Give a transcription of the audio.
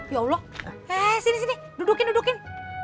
ya allah hea sini sini dudukin dudukin